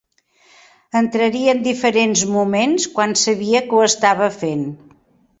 Entraria en diferents moments, quan sabia que ho estava fent.